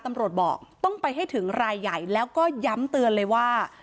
ตำรวจบอกต้องไปให้ถึงรายใหญ่แล้วก็ย้ำเตือนเลยว่า